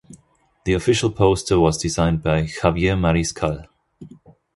The official poster was designed by Javier Mariscal.